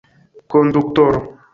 Konduktoro!